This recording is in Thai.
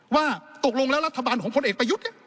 ว่าตกลงแล้วรัฐบาลของพลเอกประยุทธ์เนี่ย